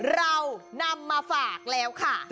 เรานำมาฝากแล้วค่ะ